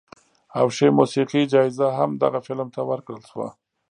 او ښې موسیقۍ جایزه هم دغه فلم ته ورکړل شوه.